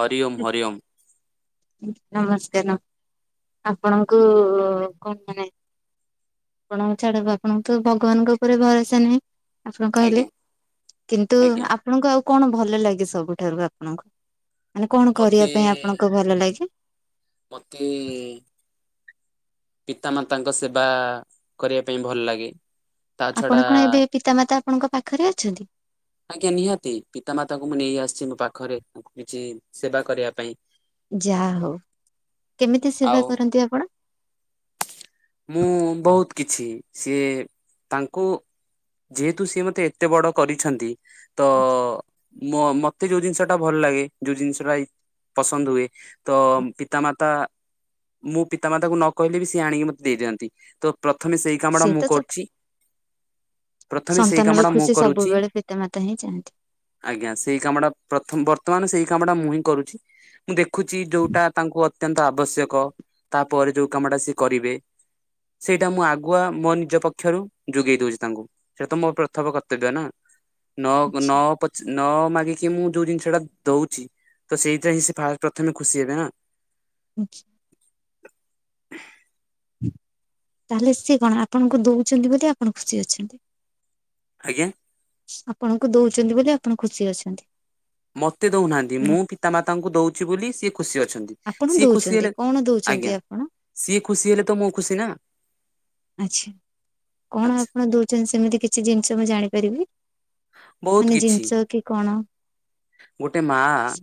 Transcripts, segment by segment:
ହରି ଓମ୍ ହରି ଓମ୍। ନମସ୍କାର ଆପଣଙ୍କୁ କଣ ମାନେ ଆପଣଙ୍କୁ ଛାଡ ଆପଣଙ୍କୁତ ଭଗବାନଙ୍କ ଉପରକୁ ଭରସା ନାହିଁ। ଆପଣ ଆଜ୍ଞା କହିଲେ କିନ୍ତୁ ଆଜ୍ଞା ଆପଣଙ୍କୁ ଆଉ କଣ ଭଲ ଲାଗେ ସବୁଠାରୁ ଆପଣଙ୍କୁ? ମାନେ କଣ କରିବା ମତେ ପାଇଁ ଆପଣଙ୍କୁ ଭଲ ଲାଗେ? ମତେ ପିତା ମାତାଙ୍କ ସେବା କରିବା ପାଇଁ ଭଲ ଲାଗେ। ତା ଛଡା ଆପଣ କଣ ଏବେ ପିତାମାତା ଆପଣଙ୍କ ପାଖରେ ଅଛନ୍ତି? ଆଜ୍ଞା ନିହାତି ପିତାମାତାଙ୍କୁ ମୁଁ ନେଇ ଆସିଛି ମୋ ପାଖରେ ତାଙ୍କୁ କିଛି ସେବା କରିବା ପାଇଁ। ଯାହା ହଉ କେମିତି ଆଉ ସେବା କରନ୍ତି ଆପଣ? ମୁଁ ବହୁତ କିଛି ସିଏ ତାଙ୍କୁ ଯେହେତୁ ସିଏ ମତେ ଏତେ ବଡ କରିଛନ୍ତି ତ ମ ମତେ ଯୋଉ ଜିନିଷ ଟା ଭଲ ଲାଗେ ଯୋଉ ଜିନିଷ ଟା କି ପସନ୍ଦ ହୁଏ ତ ପିତା ମାତା ମୁଁ ପିତା ମାତାକୁ ନ କହିଲେ ବି ସିଏ ଆଣିକି ମତ୍ ଦେଇ ଦିଅନ୍ତି ତ ପ୍ରଥମେ ସେଇ କାମ ଟା ମୁଁ କରୁଛି। ପ୍ରଥମେ ସେଇ ସନ୍ତାନ ର କାମଟା ମୁଁ ଖୁସି କରୁଛି। ସବୁବେଳେ ପିତା ମାତା ହିଁ ଚାହାନ୍ତି। ଆଜ୍ଞା ସେଇ କାମଟା ପ୍ରଥମ ବର୍ତ୍ତମାନ ସେଇ କାମ ଟା ମୁଁ ହିଁ କରୁଛି ମୁଁ ଦେଖୁଛି ଯୋଉଟା ତାଙ୍କୁ ଅ ଅତ୍ୟନ୍ତ ଆବଶ୍ୟକ ତା ପରେ ଯୋଉଁ କାମ ଟା ସେ କରିବେ ସେଇଟା ମୁଁ ଆଗୁଆ ମୋ ନିଜ ପକ୍ଷରୁ ଯୋଗେଇ ଦଉଛି ତାଙ୍କୁ ସେଇଟା ତ ମୁଁ ପ୍ରଥମ କର୍ତ୍ତବ୍ୟ ନାଁ? ନଅ କୁ ଆଚ୍ଛା। ନଅ ପଚ୍ ନଅ ମାଗିକି ମୁଁ ଯୋଉ ଜିନିଷ ଟା ଦଉଛି ତ ସେଇଟା ହିଁ ସେ ଫା ପ୍ରଥମେ ଖୁସି ହେବେ ନାଁ। ହୁଁ ଛି। ତାହେଲେ ସିଏ କଣ ଆପଣଙ୍କୁ ଦଉଛନ୍ତି ବୋଲି ଆପଣ ଖୁସି ଅଛନ୍ତି? ଆଜ୍ଞା। ଆପଣଙ୍କୁ ଦଉଛନ୍ତି ବୋଲି ଆପଣ ଖୁସି ଅଛନ୍ତି। ମତେ ଦଉନାହାନ୍ତି ମୁଁ ପିତା ମାତାଙ୍କୁ ଦଉଛି ବୋଲି ସିଏ ଖୁସି ଅଛନ୍ତି। ଆପଣ ସିଏ ଖୁସି ହେଲେ ଦଉଛନ୍ତି କଣ ଆଜ୍ଞା ଦଉଛନ୍ତି ଆପଣ? ସିଏ ଖୁସି ହେଲେ ତ ମୋ ଖୁସି ନାଁ। ଆଚ୍ଛା କଣ ଆଚ୍ଛା ଆପଣ ଦଉଛନ୍ତି ସେମିତି କିଛି ଜିନିଷ ମୁଁ ଜାଣିପାରିବି? ବହୁତ ମାନେ କିଛି ଜିନିଷ କି କଣ? ଗୋଟେ ମା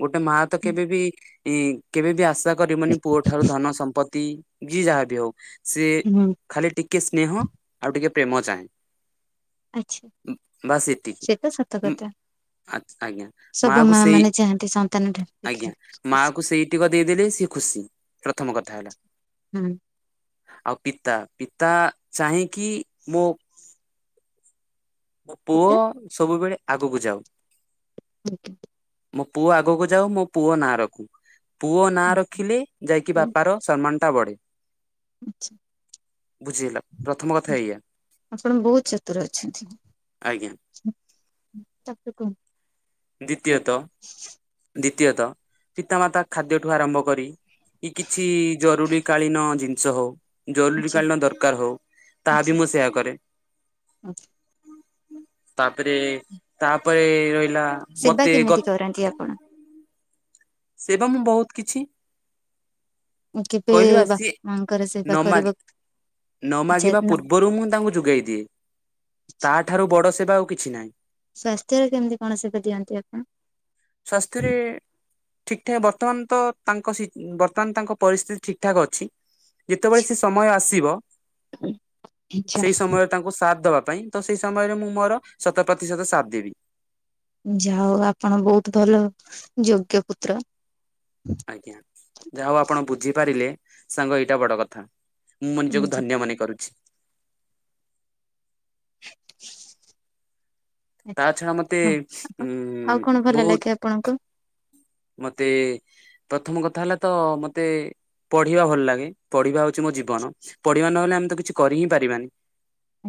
ଗୋଟେ ମା ତ ହୁଁ କେବେ ବିି କେବେ ବି ଆଶା କରିବନି ପୁଅ ଠାରୁ ଧନ ସମ୍ପତ୍ତି ଯିଏ ଯାହା ବି ହଉ ସିଏ ହୁଁ, ଖାଲି ଟିକେ ସ୍ନେହ ଆଉ ଟିକେ ପ୍ରେମ ଚାହେଁ। ଆଚ୍ଛା ବାସ୍ ସେତିକି ସେଟା ସତ ଉଁ କଥା। ଆଜ୍ଞା। ମା ସବୁ କୁ ସେଇ ମାନେ ଚାହାନ୍ତି ସନ୍ତାନ ଠାରୁ ଆଜ୍ଞା ଦେଖିବେ ମା ଖୁସି କୁ ସେଇ ଟିକ ଦେଇଦେଲେ ସିଏ ଖୁସି। ପ୍ରଥମ କଥା ହେଲା। ହୁଁ। ଆଉ ପିତା ପିତା ଚାହିେଁକି ମୋ ମୋ ପିତା ପୁଅ ସବୁବେଳେ ଆଗକୁ ଯାଉ। ଆଜ୍ଞା। ମୋ ପୁଅ ଆଗକୁ ଯାଉ ମୋ ପୁଅ ନାଁ ରଖୁ। ପୁଅ ନାଁ ରଖିଲେ ଯାଇକି ହୁଁ, ବାପାର ସମ୍ମାନଟା ବଢ଼େ। ଆଚ୍ଛା ବୁଝିହେଲା ପ୍ରଥମ କଥା ଏଇୟା। ଆପଣ ବହୁତ ଚତୁର ଅଛନ୍ତି। ଆଜ୍ଞା। ଆଛା ତା ପରେ କଣ? ଦ୍ୱିତୀୟତଃ ହ ଦ୍ଵିତୀୟତଃ ପିତାମାତା ଖାଦ୍ୟଠୁ ଆରମ୍ଭ କରି କି କିଛି ଜରୁରୀ କାଳୀନ ଜିନିଷ ହଉ ଜରୁରୀ ଆଚ୍ଛା କାଳୀନ ଦରକାର ହଉ ତାହା ଆଚ୍ଛା। ବି ମୁଁ ସେୟା କରେ। ଆଚ୍ଛା ତାପରେ ତାପରେ ରହିଲା ସେବା ମତେ ଗ କେମିତି କରନ୍ତି ଆପଣ? ସେ ବା ମୁଁ ବହୁତ କିଛି କେବେ କହିଲି ବା ସିଏ ବାପା ମାଙ୍କର ନ ସେବା ମାଗି କରିବାକୁ ନ ଆଚ୍ଛା ମାଗିବା ନ ପୂର୍ବରୁ ମୁଁ ତାଙ୍କୁ ଯୋଗାଇ ଦିଏ। ତାଠାରୁ ବଡ ସେବା ଆଉ କିଛି ନାହିଁ। ସ୍ୱାସ୍ଥ୍ୟରେ କେମିତି କଣ ସେବ ଦିଅନ୍ତି ଆପଣ? ସ୍ଵାସ୍ଥ୍ୟରେ ଠିକ ଠାକ୍ ବର୍ତ୍ତମାନ ତ ତାଙ୍କ ସି ବର୍ତ୍ତମାନ ତାଙ୍କ ପରିସ୍ଥିତି ଠିକ ଠାକ ଅଛି ଯେତେବେଳେ ଆଚ୍ଛା ସେ ସମୟ ଆସିବ ଆଚ୍ଛା, ସେଇ ସମୟ ତାଙ୍କୁ ସାଥ ଦବା ପାଇଁ ତ ସେଇ ସମୟରେ ମୁଁ ମୋର ଶତ ପ୍ରତିଶତ ସାଥ ଦେବି। ଯା ହୋଉ ଆପଣ ବହୁତ ଭଲ ଯୋଗ୍ୟ ପୁତ୍ର। ଆଜ୍ଞା ଯାହା ହଉ ଆପଣ ବୁଝିପାରିଲେ ସାଙ୍ଗ ଏଇଟା ବଡ କଥା। ମୁଁ ମୋ ନିଜକୁ ହଁ ଧନ୍ୟ ମନେ କରୁଛି। ତା ଛଡା ମତେ ହ ଉଁ ଆଉ କଣ ଭଲ ବହୁତ ଲାଗ ଆ ପଣଙ୍କୁ? ମତେ ପ୍ରଥମ କଥା ହେଲା ତ ମତେ ପଢିବା ଭଲ ଲାଗେ ପଢିବା ହଉଚି ମୋ ଜୀବନ ପଢିବା ନହେଲେ ଆମେ ତ କିଛି କରି ହିଁ ପାରିବାନି।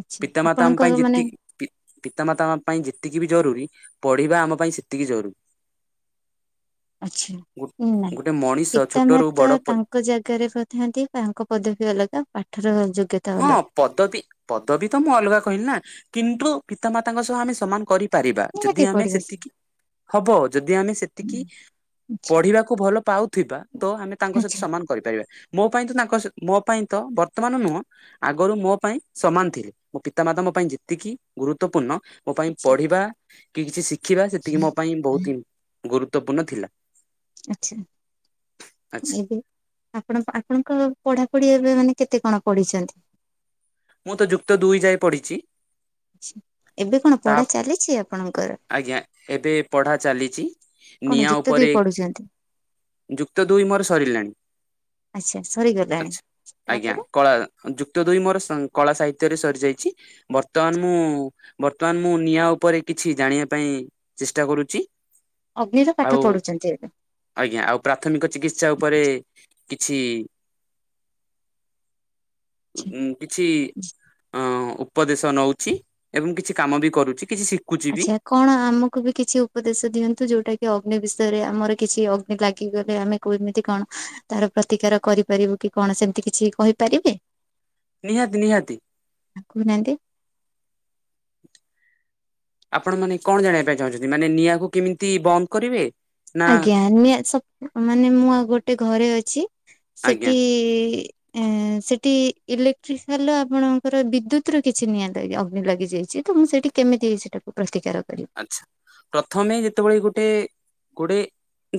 ଆଛା ପିତାମାତାଙ୍କ ଆପଣଙ୍କ ପାଇଁ ମାନେ ଯେତିକି ପି ପିତାମାତା ଆମ ପାଇଁ ଯେତିକି ବି ଜରୁରୀ ପଢିବା ଆମ ପାଇଁ ସେତିକି ଜରୁରୀ। ଆଛା ନାଇଁ ଗୋଟେ ମଣିଷ ପିତା ଛୋଟରୁ ମାତା ତା ବଡ ତାଙ୍କ ଜାଗାରେ କଥାନ୍ତି ତାଙ୍କ ପଦବୀ ଅଲଗା ପାଠର ଯୋଗ୍ୟତା ହଁ ଅଲଗା ପଦବୀ ପଦବୀ ତ ମୁଁ ଅଲଗା କହିଲି ନା। କିନ୍ତୁ ପିତାମାତାଙ୍କ ସହ ଆମେ ସମାନ କରି ପାରିବା ନିହାତି ଯଦି ଆମେ ପଢିବ ସେ। ସେତିକି ହବ ଯଦି ଆମେ ସେତିକି ଆଛା ପଢିବାକୁ ଭଲ ପାଉଥିବା ତ ଆମେ ତାଙ୍କ ସହି ଆଛା ସମାନ କରିପାରିବା। ମୋ ପାଇଁ ତ ତାଙ୍କ ମୋ ପାଇଁ ତ ବର୍ତ୍ତମାନ ନୁହଁ ଆଗରୁ ମୋ ପାଇଁ ସମାନ ଥିଲେ ମୋ ପିତାମାତା ମୋ ପାଇଁ ଯେତିକି ଗୁରୁତ୍ୱପୂର୍ଣ୍ଣ ମୋ ପାଇଁ ଆଛା। ପଢିବା କି କିଛି ଶିଖିବା ସେତିକି ମୋ ପାଇଁ ବହୁତ ହି ଗୁରୁତ୍ୱପୂର୍ଣ୍ଣ ଥିଲା। ଆଛା। ଆଚ୍ଛା ଏବେ ଆପଣ ଆପଣଙ୍କ ପଢାପଢି ଏବେ ମାନେ କେତେ କଣ ପଢିଚନ୍ତି। ମୁଁ ତ ଯୁକ୍ତ ଦୁଇ ଯାଏ ପଢିଚି। ଏବେ କଣ ପଢା ଚାଲିଚି ଆପଣଙ୍କର? ଆଜ୍ଞା ଏବେ ପଢା ଚାଲିଚି। କଣ ନିଆଁ ଯୁକ୍ତ ଦୁଇ ଉପରେ ପଢୁଛନ୍ତି? ଯୁକ୍ତ ଦୁଇ ମୋର ସରିଲାଣି ଆଛା ସରିଗଲାଣି ଆଛା ତାପରେ ଆଜ୍ଞା କଳା। ଯୁକ୍ତ ଦୁଇ ମୋର କଳା ସାହିତ୍ୟରେ ସରିଯାଇଚି। ବର୍ତ୍ତମାନ ମୁଁ ବର୍ତ୍ତମାନ ମୁଁ ନିଆଁ ଉପରେ କିଛି ଜାଣିବା ପାଇଁ ଚେଷ୍ଟା କରୁଚି। ଅଗ୍ନିର ପାଠ ପଢୁଚନ୍ତି ଏବେ। ଆଜ୍ଞା ଆଉ ପ୍ରାଥମିକ ଚିକିତ୍ସା ଉପରେ କିଛି ଉଁ କିଛି ଅଁ ଉପଦେଶ ନଉଛି ଏବଂ କିଛି କାମ ବି କରୁଛି କିଛି ଶି ଆଚ୍ଛା। କଣ ଆମକୁ ବି କିଛି ଉପଦେଶ ଦିଅନ୍ତୁ ଯୋଉଟା କି ଅଗ୍ନି ବିଷୟରେ ଆମର କିଛି ଅଗ୍ନି ଲାଗିଗଲେ ଆମେ କୁ ଏମିତି କଣ ତାର ପ୍ରତିକାର କରିପାରିବୁ କି କଣ ସେମିତି କିଛି କହିପାରିବେ? ନିହାତି ନିହାତି। ଆ କହୁନାହାନ୍ତି। ଆପଣ ମାନେ କଣ ଜାଣିବା ପାଇଁ ଚାହୁଁଛନ୍ତି ମାନେ ନିଆଁକୁ କେମିତି ବନ୍ଦ କରିବେ? ନା ଆଜ୍ଞା ନିଆଁ ସ ମାନେ ମୁଁ ଆ ଗୋଟେ ଘରେ ଅଛି ଆଜ୍ଞା ସେଠି ଏଁ ସେଠି ଇଲେକ୍ଟ୍ରିକାଲ ଆପଣଙ୍କର ବିଦ୍ୟୁତ ର କିଛି ନିଆଁ ଲା ଅଗ୍ନି ଲାଗି ଯାଇଛି। ତ ମୁଁ ସେଇଠି କେମିତି ସେଇଟାକୁ ପ୍ରତିକାର କରିବି? ଆଚ୍ଛା, ପ୍ରଥମେ ଯେତେବେଳେ ଗୋଟେ ଗୋଟେ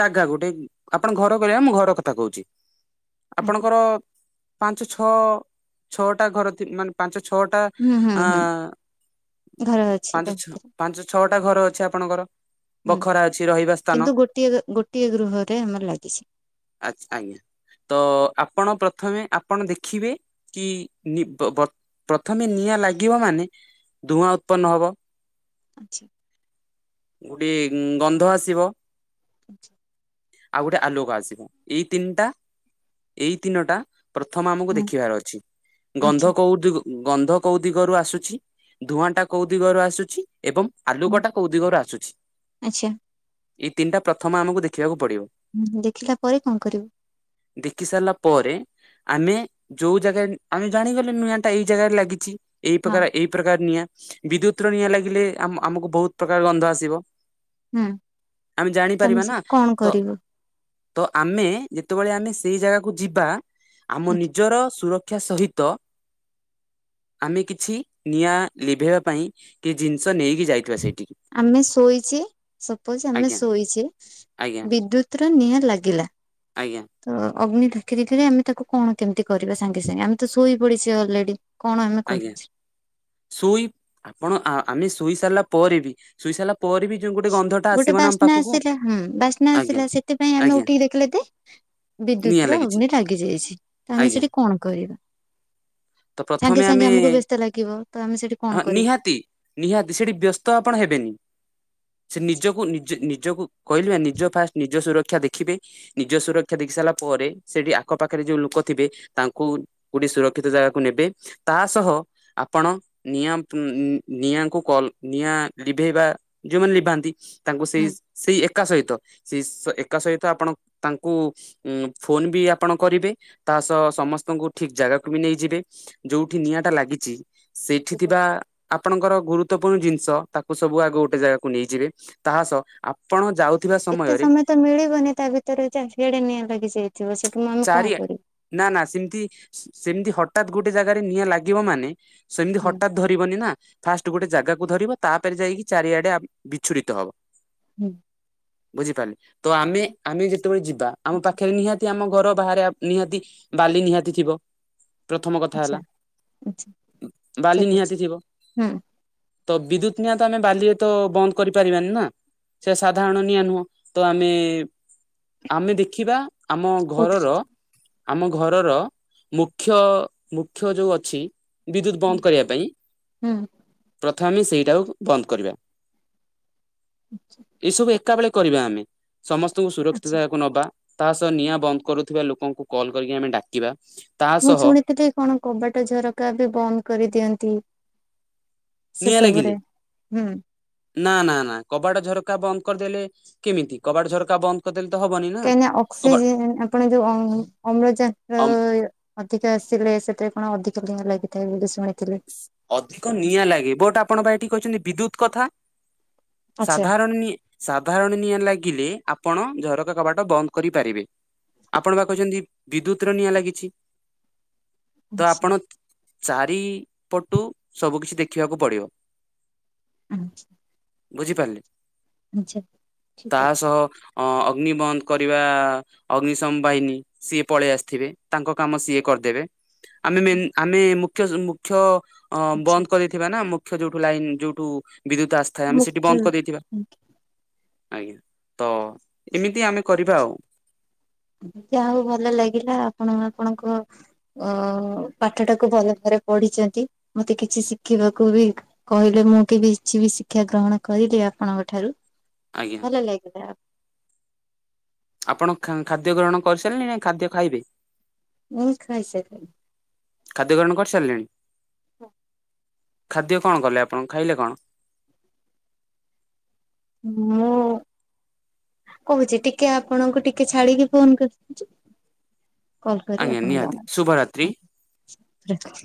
ଜାଗା ଗୋଟେ ଆପଣ ଘର କହିଲେ ମୁଁ ଘର କଥା କହୁଛି। ଆଜ୍ଞା। ଆପଣଙ୍କର ପାଞ୍ଚ ଛଅ ଛଅଟା ଘର ଥି ମାନେ ପାଞ୍ଚ ଛଅ ଟା ହୁଁ ହୁଁ ହୁଁ ଆଁ ଘର ଅଛି ତା ପାଞ୍ଚଛଅ ଭିତରେ ପାଞ୍ଚ ଛଅଟା ଘର ଅଛି ଆପଣଙ୍କର। ହୁଁ ବଖରା ଅଛି ରହିବା ସ୍ଥାନ କିନ୍ତୁ ଗୋଟିଏ ଗୋଟିଏ ଗୃହରେ ଆମର ଲାଗିଛି। ଆଛା ଆଜ୍ଞା ତ ଆପଣ ପ୍ରଥମେ ଆପଣ ଦେଖିବେ କି ନି ପ ପ୍ରଥମେ ନିଆଁ ଲାଗିବ ମାନେ ଧୂଆଁ ଉତ୍ପନ ହବ। ଆଚ୍ଛା। ଗୁଡିଏ ଗନ୍ଧ ଆସିବ। ଆଚ୍ଛା। ଆଉ ଗୋଟେ ଆଲୋକ ଆସିବ, ଏଇ ତିନିଟା ଏଇ ତିନୋଟା ପ୍ରଥମ ଆମକୁ ହୁଁ ଦେଖିବାର ଅଛି ଗନ୍ଧ ଆଚ୍ଛା କୋଉଦିଗ ଗନ୍ଧ କୋଉ ଦିଗରୁ ଆସୁଛି ଧୂଆଁଟା କୋଉ ଦିଗରୁ ଆସୁଛି ଏବଂ ହୁଁ ଆଲୁକଟା କୋଉ ଦିଗରୁ ଆସୁଛି ଆଚ୍ଛା ଏଇ ତିନିଟା ପ୍ରଥମ ଆମକୁ ଦେଖିବାକୁ ପଡିବ। ହୁଁ ଦେଖିଲା ପରେ କଣ କରିବୁ? ଦେଖି ସାରିଲା ପରେ ଆମେ ଯୋଉ ଜାଗାରେ ଆମେ ଜାଣିଗଲେ ନୂଆଁ ଟା ଏଇ ଜାଗାରେ ଲାଗିଛି। ଏଇ ହଁ ପ୍ରକାର ଏଇ ପ୍ରକାର ନିଆଁ ବିଦ୍ୟୁତ ର ନିଆଁ ଲାଗିଲେ ଆମ ଆମକୁ ବହୁତ ପ୍ରକାର ଗନ୍ଧ ଆସିବ। ହୁଁ ଆମେ ତମେ ଜାଣିପାରିବା ନା ସେଠି କଣ ତ କରିବ ତ ଆମେ ଯେତେବେଳେ ଆମେ ସେଇ ଜାଗାକୁ ଯିବା ଆମ ନିଜର ସୁରକ୍ଷା ସହି ତ ଆମେ କିଛି ନିଆଁ ଲିଭେଇବା ପାଇଁ କି ଜିନିଷ ନେଇ କି ଯାଇଥିବା ସେଇଠି। ଆମେ ଶୋଇଚେ ସପୋଜ ଆମେ ଆଜ୍ଞା ଶୋଇଚେ ଆଜ୍ଞା। ବିଦ୍ୟୁତର ନିଆଁ ଲାଗିଲା। ଆଜ୍ଞା ତ ଅଗ୍ନି ଢାକି ଦେଇଥିଲେ ଆମେ ତାକୁ କଣ କେମିତି କରିବା ସାଙ୍ଗେ ସାଙ୍ଗେ ଆମେ ତ ଶୋଇ ପଡିଛେ ଅଲରେଡି। କଣ ଆମେ ଆଜ୍ଞା କରିଛେ? ଶୋଇ ଆ ଆପଣ ଆମେ ଶୋଇ ସାରିଲା ପରେ ବି ଶୋଇ ସାରିଲା ପରେ ବି ଯୋଉ ଗୋଟେ ଗନ୍ଧଟା ଗୋଟେ ଆସିବ ନା ଆମ ବାସ୍ନା ପାଖକୁ ଆସିଲା ହୁଁ ବାସ୍ନା ଆଜ୍ଞା ଆସିଲା ସେଥିପାଇଁ ଆମେ ଆଜ୍ଞା ଉଠିକି ଦେଖିଲେ ତେ ବିଦ୍ୟୁତ ନିଆଁ ର ଲାଗିଛି ଅଗ୍ନି ଲାଗି ଯାଇଛି, ତ ଆମେ ଆଜ୍ଞା ସେଠି କଣ କରିବା? ତ ସାଙ୍ଗେ ପ୍ରଥମେ ସାଙ୍ଗେ ଆମେ ଆମକୁ ବ୍ୟସ୍ତ ଲାଗିବ ତ ଆମେ ସେଠି କଣ ହଁ କରିବା ନିହାତି ନିହାତି ସେଠି ବ୍ୟସ୍ତ ଆପଣ ହେବେନି। ସେ ଅଛି। ନିଜକୁ ନିଜ ନିଜକୁ କହିଲି ପା ନିଜ ଫାଷ୍ଟ ନିଜ ସୁରକ୍ଷା ଦେଖିବେ। ନିଜ ସୁରକ୍ଷା ଦେଖି ସାରିଲା ପରେ ସେଠି ଆଖ ପାଖରେ ଯୋଉ ଲୁକ ଥିବେ ତାଙ୍କୁ କୋଉଟି ସୁରକ୍ଷିତ ଜାଗାକୁ ନେବେ ତା ସହ ଆପଣ ନିଆଁ ପ୍ ମ୍ ନିଆଁକୁ କଲ୍ ନିଆଁ ଲିଭେଇବା ଯୋଉମାନେ ଲିଭାନ୍ତି ତାଙ୍କୁ ସେଇ ସେଇ ଏକା ସହିତ ସେଇ ସ ଏକା ସହିତ ଆପଣ ତାଙ୍କୁ ଉଁ ଫୋନ ବି ଆପଣ କରିବେ ତା ସହ ସମସ୍ତଙ୍କୁ ଠିକ ଜାଗାକୁ ବି ନେଇଯିବେ। ଯୋଉଠି ନିଆଁ ଟା ଲାଗିଚି ସେଇଠି ଠିକ ଥିବା ଅଛି। ଆପଣଙ୍କର ଗୁରୁତ୍ୱପୂର୍ଣ୍ଣ ଜିନିଷ ତାକୁ ସବୁ ଆଗ ଗୋଟେ ଜାଗାକୁ ନେଇଯିବେ ତାହା ସହ ଆପଣ ଯାଉଥିବା ଏତେ ସମୟରେ ସମୟ ତ ମିଳିବନି ତା ଭିତରେ ଚାରିଆଡେ ନିଆଁ ଲାଗିଯାଇଥିବ ସେଠି ଆମେ ଚାରି କଣ କରିବୁ? ନା ନା ସେମିତି ସେମିତି ହଟାତ୍ ଗୋଟେ ଜାଗାରେ ନିଆଁ ଲାଗିବ ମାନେ ସେମିତି ହୁଁ ହଟାତ୍ ଧରି ଗିବନି ନା ଫାଷ୍ଟ ଗୋଟେ ଜାଗାକୁ ଧରିବ ତାପରେ ଯାଇକି ଚାରିଆଡେ ବିଚ୍ଛୁରିତ ହବ। ହୁଁ। ବୁଝିପାରିଲେ ତ ଆମେ ଆମେ ଯେତେବେଳେ ଯିବା ଆମ ଆଚ୍ଛା ପାଖରେ ନିହାତି ଆମ ଘର ବାହାରେ ଆପ ନିହାତି ବାଲି ନିହାତି ଥିବ। ପ୍ରଥମ କଥା ହେଲା ଆଚ୍ଛା ଆଚ୍ଛା ବାଲି ଠିକ ଅଛି ନିହାତି ଥିବ। ହୁଁ ତ ବିଦ୍ୟୁତ ନିଆଁ ତ ଆମେ ବାଲି ତ ବନ୍ଦ କରିପାରିବାନି ନା। ସେ ସାଧାରଣ ନିଆଁ ନୁହଁ ତ ଆମେ ଆମେ ଦେଖିବା ଆମ କୋଉଥିରେ ଘରର ଆମ ଘରର ମୁଖ୍ୟ ମୁଖ୍ୟ ଯୋଉ ଅଛି ବିଦ୍ୟୁତ ବନ୍ଦ କରିବା ପାଇଁ ହୁଁ ପ୍ରଥମ ଆମେ ସେଇଟାକୁ ବନ୍ଦ କରିବା ଏଇସବୁ ଏକା ବେଳେ କରିବା ଆମେ ସମସ୍ତଙ୍କୁ ସୁରକ୍ଷିତ ଆଚ୍ଛା ଜାଗାକୁ ନବା ତା ସହ ନିଆଁ ବନ୍ଦ କରୁଥିବା ଲୋକଙ୍କୁ କଲ କରିକି ଆମେ ଡାକିବା। ତା ମୁଁ ସହ ଶୁଣିଥିଲି କଣ କବାଟ ଝରକା ବି ବନ୍ଦ କରିଦିଅନ୍ତି। ସେ ନିଆଁ ସବୁରେ ଲାଗିଲେ? ହୁଁ ନା ନା ନା କବାଟ ଝରକା ବନ୍ଦ କରିଦେଲେ କେମିତି କବାଟ ଝରକା ବନ୍ଦ କରିଦେଲେ ତ ହବନି ନା କାହିଁକି ନା କବା ଅକ୍ସିଜେନ ଆପଣ ଯୋଉ ଆମ ଅମ୍ଳଜାନ ଅମ୍ ଅଧିକ ଆସିଲେ ସେଥିରେ କଣ ଅଧିକ ନିଆଁ ଲାଗିଥାଏ ବୋଲି ଶୁଣିଥିଲେ। ଅଧିକ ନିଆଁ ଲାଗେ ବଟ ଆପଣ ପା ଏଠି କହିଚନ୍ତି ବିଦ୍ୟୁତ କଥା। ଆଚ୍ଛା ସାଧାରଣ ନି ସାଧାରଣ ନିଆଁ ଲାଗିଲେ ଆପଣ ଝରକା କବାଟ ବନ୍ଦ କରିପାରିବେ। ଆପଣ ପା କହିଚନ୍ତି ବିଦ୍ୟୁତ ର ନିଆଁ ଲାଗିଚି ତ ଆଚ୍ଛା ଆପଣ ଚାରିପଟୁ ସବୁ କିଛି ଦେଖିବାକୁ ପଡିବ। [unintelligible] ବୁଝିପାରିଲେ ଆଚ୍ଛା ଠିକ ତା ଅଛି ସହ ଅ ଅଗ୍ନିିବନ୍ଦ କରିବା। ଅଗ୍ନିଶମ ବାହିନୀ ସିଏ ପଳେଇ ଆସିଥିବେ ତାଙ୍କ କାମ ସିଏ କରିଦେବେ। ଆମେ ମେନ ଆମେ ମୁଖ୍ୟ ମୁଖ୍ୟ ଅ ଆଚ୍ଛା ବନ୍ଦ କରିଦେଇଥିବା ଥିବା ନା ମୁଖ୍ୟ ଯୋଉଠୁ ଲାଇନ ଯୋଉଠୁ ବିଦ୍ୟୁତ ଆସିଥାଏ ଆମେ ସେଠି ବନ୍ଦ କରିଦେଇଥିବା। ମୁଖ୍ୟ ଆଜ୍ଞା ତ ଏମିତି ଆମେ କରିବା ଆଉ। ଯାହା ହଉ ଭଲ ଲାଗିଲା ଆପଣ ଆପଣଙ୍କ ଅ ପାଠଟାକୁ ଭଲ ଭରେ ପଢିଚନ୍ତି ମତେ କିଛି ଶିଖିବାକୁ ବି କହିଲେ ମୁଁ କେବେ କିଛି ବି ଶିକ୍ଷା ଗ୍ରହଣ କରିଲି ଆପଣଙ୍କ ଠାରୁ ଆଜ୍ଞା ଭଲ ଲାଗିଲା ଆଉ। ଆପଣ ଖାଦ୍ୟ ଗ୍ରହଣ କରିସାରିଲଣି ନାଁ ଖାଦ୍ୟ ଖାଇବେ? ମୁଁ ଖାଇସାରିଲିଣି। ଖାଦ୍ୟ ଗ୍ରହଣ କରିସାରିଲେଣି? ହଁ। ଖାଦ୍ୟ କଣ କଲେ ଆପଣ ଖାଇଲେ କଣ? ମୁଁ କହୁଛି ଟିକେ ଆପଣଙ୍କୁ ଟିକେ ଛାଡ଼ିକି ଫୋନ୍ କରୁଚି କଲ୍ କରି ଆଜ୍ଞା ଆପଣଙ୍କୁ ନିହାତି ଜଣଉଛି ଶୁଭରାତ୍ରି। ଆଜ୍ଞା ରଖ।